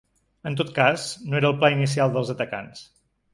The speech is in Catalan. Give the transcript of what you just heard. En tot cas, no era el pla inicial dels atacants.